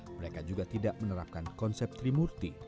mereka juga tidak menerapkan konsep trimurti